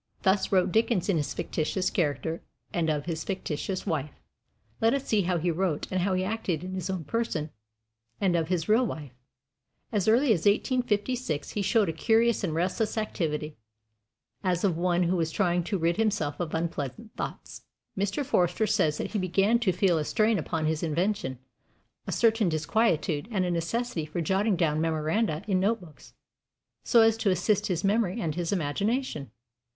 Thus wrote Dickens in his fictitious character, and of his fictitious wife. Let us see how he wrote and how he acted in his own person, and of his real wife. As early as 1856, he showed a curious and restless activity, as of one who was trying to rid himself of unpleasant thoughts. Mr. Forster says that he began to feel a strain upon his invention, a certain disquietude, and a necessity for jotting down memoranda in note books, so as to assist his memory and his imagination.